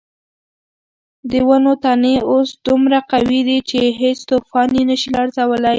د ونو تنې اوس دومره قوي دي چې هیڅ طوفان یې نه شي لړزولی.